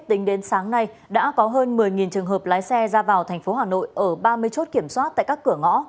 kết tính đến sáng nay đã có hơn một mươi trường hợp lái xe ra vào tp hà nội ở ba mươi chốt kiểm soát tại các cửa ngõ